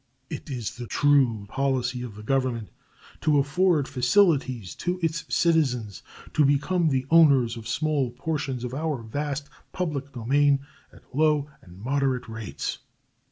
It is the true policy of the Government to afford facilities to its citizens to become the owners of small portions of our vast public domain at low and moderate rates.